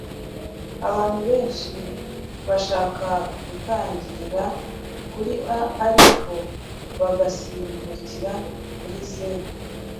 Abantu benshi bashaka gutangirira kuri A ariko bagasimbukira kuri z